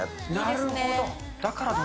なるほど。